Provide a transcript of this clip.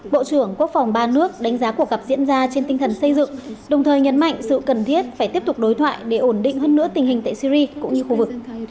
bộ trưởng quốc phòng ba nước đánh giá cuộc gặp diễn ra trên tinh thần xây dựng đồng thời nhấn mạnh sự cần thiết phải tiếp tục đối thoại để ổn định hơn nữa tình hình tại syri cũng như khu vực